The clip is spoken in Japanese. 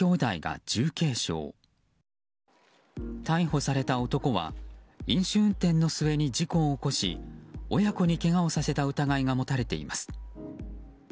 逮捕された男は飲酒運転の末に事故を起こし親子にけがをさせた疑いが持たれています。